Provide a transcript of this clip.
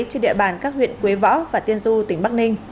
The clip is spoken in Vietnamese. trên địa bàn các huyện quế võ và tiên du tỉnh bắc ninh